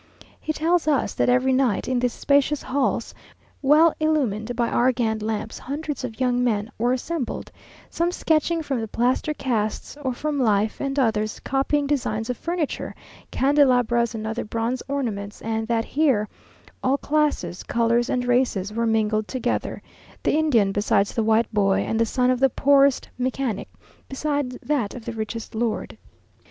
He tells us that every night, in these spacious halls, well illumined by Argand lamps, hundreds of young men were assembled, some sketching from the plaster casts, or from life, and others copying designs of furniture, candelabras and other bronze ornaments; and that here all classes, colours, and races, were mingled together; the Indian beside the white boy, and the son of the poorest mechanic beside that of the richest lord.